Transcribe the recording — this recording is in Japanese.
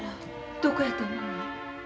どこやと思うの？